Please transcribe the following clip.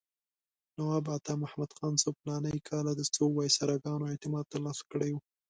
نواب عطامحمد خان څو فلاني کاله د څو وایسراګانو اعتماد ترلاسه کړی و.